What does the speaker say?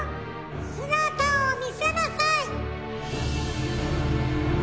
姿を見せなさい！